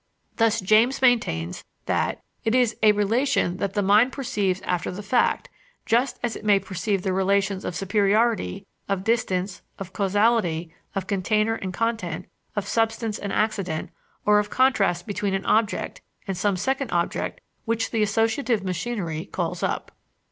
Thus James maintains that "it is a relation that the mind perceives after the fact, just as it may perceive the relations of superiority, of distance, of causality, of container and content, of substance and accident, or of contrast between an object, and some second object which the associative machinery calls up."